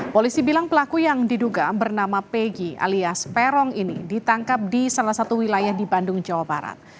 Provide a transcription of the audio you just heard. polisi bilang pelaku yang diduga bernama pegi alias peron ini ditangkap di salah satu wilayah di bandung jawa barat